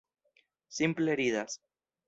Simple ridas!